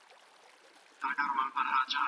ښه خلک د هر چا لپاره د خیر غوښتونکي وي.